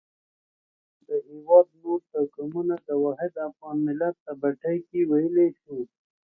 د هېواد نور توکمونه د واحد افغان ملت په بټۍ کې ویلي شوي.